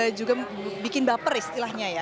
dan juga bikin baper istilahnya ya